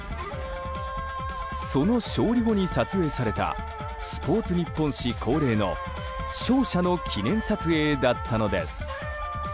その勝利後に撮影されたスポーツニッポン紙恒例の勝者の記念撮影だったのです。